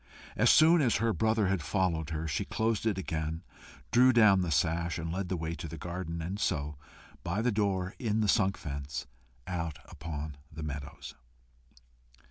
As soon as her brother had followed her, she closed it again, drew down the sash, and led the way to the garden, and so, by the door in the sunk fence, out upon the meadows.